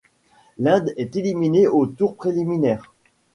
L'Inde est éliminée au tour préliminaire.